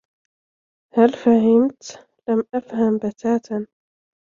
هل فهمت؟ "لم أفهم بتاتا."